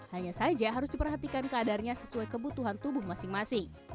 hanya saja harus diperhatikan keadarnya sesuai kebutuhan tubuh masing masing